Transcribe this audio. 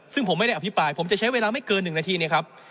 ซึ่งผมไม่ได้อภิปรายผมจะใช้เวลาไม่เกิน๑นาทีเนี่ยครับ